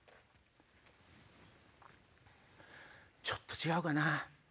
ちょっと違うかな？